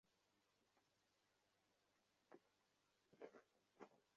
আমি থমকে ফিরে দাঁড়ালুম।